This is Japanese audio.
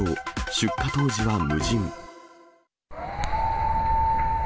出火当時は無人。